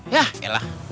yah ya lah